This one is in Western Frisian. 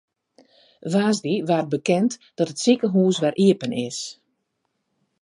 Woansdei waard bekend dat it sikehûs wer iepen is.